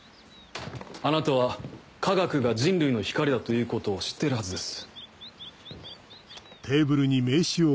あなたは科学が人類の光だということを知っているはずです。